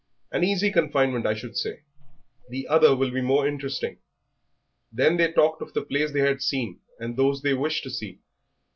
"An easy confinement, I should say. The other will be more interesting...." Then they talked of the plays they had seen, and those they wished to see.